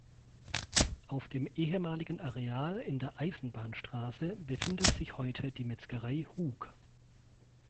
Auf dem ehemaligen Areal in der Eisenbahnstraße befindet sich heute die Metzgerei Hug.